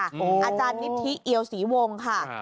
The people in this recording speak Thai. อาจารย์นิธิเอียวศรีวงค่ะ